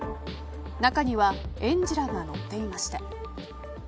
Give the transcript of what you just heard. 中には園児らが乗っていました。